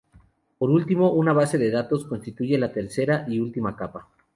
Por último, una base de datos constituye la tercera y última capa.